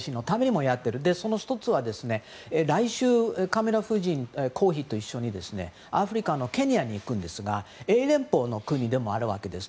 その１つは来週、カミラ王妃と一緒にアフリカのケニアに行くんですが英連邦の国でもあるわけです。